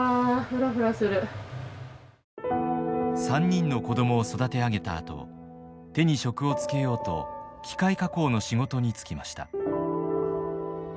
３人の子供を育て上げたあと手に職をつけようと機械加工の仕事に就きました。